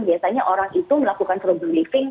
biasanya orang itu melakukan problem living